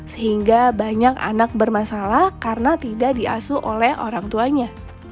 sehingga banyak anak bermasalah karena tidak diasuh oleh orang tuanya